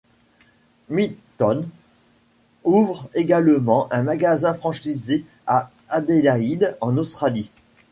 Mid-Town ouvre également un magasin franchisé à Adélaïde en Australie.